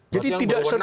jadi tidak serta merta